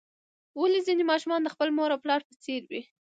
ولې ځینې ماشومان د خپل مور او پلار په څیر وي